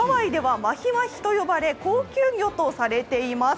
ハワイではマヒワヒと呼ばれ高級魚とされています。